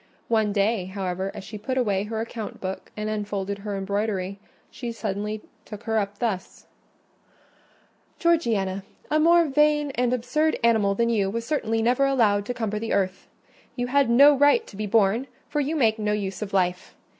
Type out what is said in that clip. One day, however, as she put away her account book and unfolded her embroidery, she suddenly took her up thus— "Georgiana, a more vain and absurd animal than you was certainly never allowed to cumber the earth. You had no right to be born, for you make no use of life.